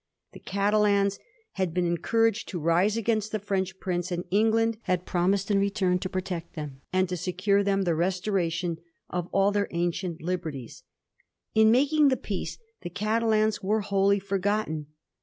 The Catalans had been encouraged to rise agamst the French prince, and England had promised in return to protect them, and to secure them the restoration of all their ancient liberties. In making the peace the Catalans were wholly forgotten.